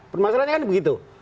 permasalahannya kan begitu